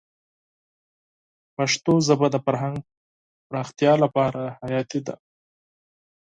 پښتو ژبه د فرهنګ پراختیا لپاره حیاتي ده.